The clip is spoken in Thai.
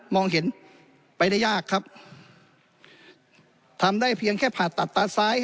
เห็นไปได้ยากครับทำได้เพียงแค่ผ่าตัดตาซ้าย